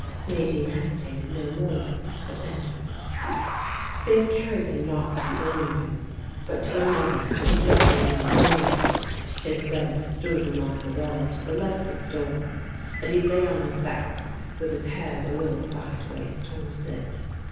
Nadine hesitated no more, but entered. They had carried him not to his own room, but to another with a dressing room adjoining. His bed stood along the wall to the left of the door, and he lay on his back with his head a little sideways towards it.